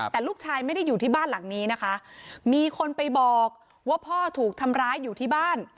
แต่ลูกชายไม่ได้อยู่ที่บ้านหลังนี้นะคะมีคนไปบอกว่าพ่อถูกทำร้ายอยู่ที่บ้าน